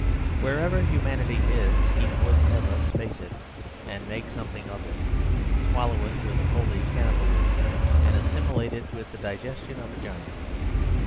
Wherever humanity is he would have us face it and make something of it, swallow it with a holy cannibalism, and assimilate it with the digestion of a giant.